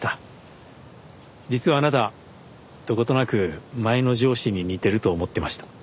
実はあなたどことなく前の上司に似てると思ってました。